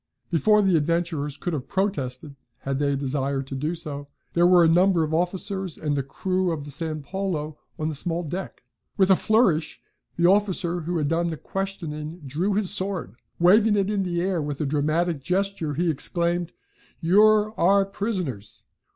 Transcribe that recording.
Before the adventurers could have protested, had they a desire to do so, there were a number of officers and the crew of the San Paulo on the small deck. With a flourish, the officer who had done the questioning drew his sword. Waving it in the air with a dramatic gesture, he exclaimed: "You're our prisoners!